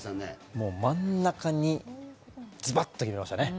真ん中にズバッと決めましたね。